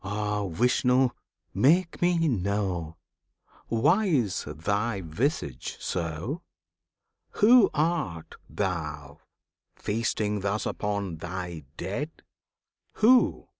Ah, Vishnu! make me know Why is Thy visage so? Who art Thou, feasting thus upon Thy dead? Who?